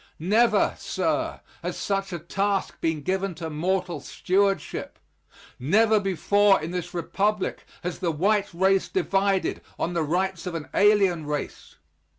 Never, sir, has such a task been given to mortal stewardship. Never before in this Republic has the white race divided on the rights of an alien race.